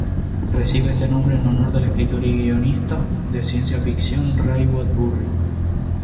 Recibe este nombre en honor del escritor y guionista de ciencia ficción Ray Bradbury.